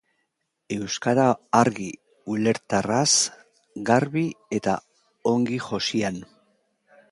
Euskara argi, ulerterraz, garbi eta ongi josian.